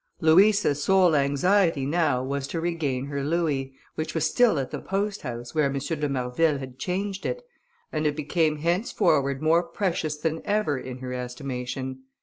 Louisa's sole anxiety now was to regain her louis, which was still at the post house where M. de Marville had changed it, and it became henceforward more precious than ever in her estimation.